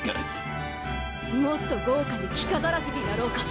もっと豪華に着飾らせてやろうか？